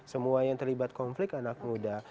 semua yang terlibat konflik anak muda